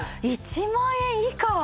１万円以下。